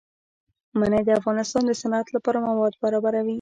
منی د افغانستان د صنعت لپاره مواد برابروي.